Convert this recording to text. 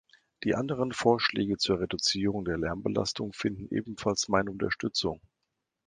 Die anderen Vorschläge zur Reduzierung der Lärmbelastung finden ebenfalls meine Unterstützung.